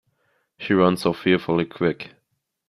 She runs so fearfully quick.